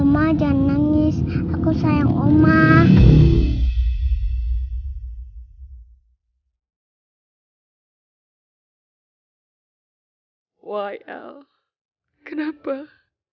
mira lari ke rumah lambat